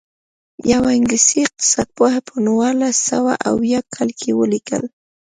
یوه انګلیسي اقتصاد پوه په نولس سوه اویاووه کال کې ولیکل.